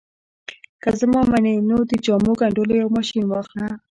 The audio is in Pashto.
که زما منې نو د جامو ګنډلو یو ماشين واخله